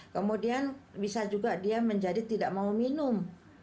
kemudian bisa juga dia menjadi tidak mau minum